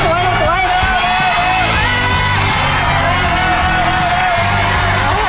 สวัสดีครับ